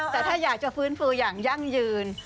แต่ถ้าอยากจะฟื้นฟูอย่างยั่งยืน